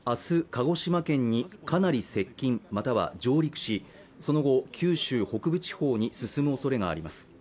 鹿児島県にかなり接近または上陸しその後九州北部地方に進む恐れがあります